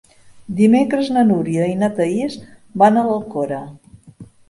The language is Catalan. Dimecres na Núria i na Thaís van a l'Alcora.